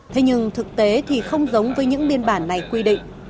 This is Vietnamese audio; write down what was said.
thế nhưng thực tế thì không giống với những biên bản này quy định